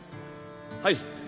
はい。